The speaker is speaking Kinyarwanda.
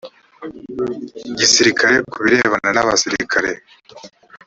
gisirikare ku birebana n abasirikare